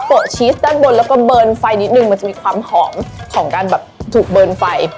ชีสด้านบนแล้วก็เบิร์นไฟนิดนึงมันจะมีความหอมของการแบบถูกเบิร์นไฟ